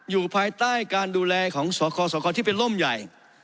อยู่ภายใต้การดูแลของสคสคที่เป็นร่มใหญ่